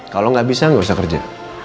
kalau gak bisa gak usah kerja